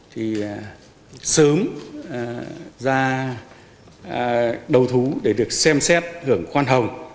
thì sớm ra đầu thú để được xem xét hưởng khoan hồng